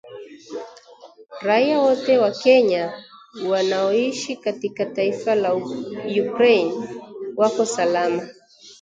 Raia wote wa Kenya wanaoishi katika taifa la Ukraine wako salama